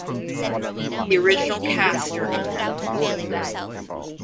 The original cast are unknown.